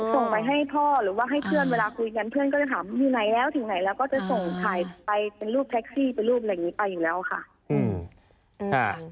ส่งไปให้พ่อหรือว่าให้เพื่อนเวลาคุยกันเพื่อนก็จะถามอยู่ไหนแล้วถึงไหนแล้วก็จะส่งถ่ายไปเป็นรูปแท็กซี่เป็นรูปอะไรอย่างนี้ไปอยู่แล้วค่ะ